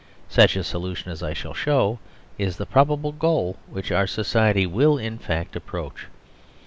Such a solution, as I shall show, is the probable goal which our society will in fact approach.